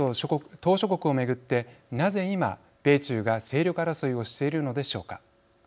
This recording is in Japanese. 島しょ国を巡ってなぜ今、米中が勢力争いをしているのでしょうか。